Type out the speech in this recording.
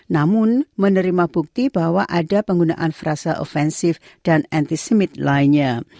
namun menerima bukti bahwa ada penggunaan frasa offensif dan antisemit lainnya